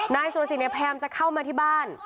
นายสุรสิตเนี่ยแพมจะเข้ามาที่บ้าน